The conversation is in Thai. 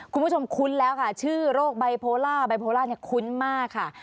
คุณผู้ชมคุ้นแล้วค่ะชื่อโรคไบโพลาไบโพลาคุ้นมากค่ะ